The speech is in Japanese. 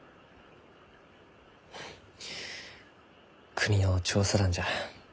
国の調査団じゃ。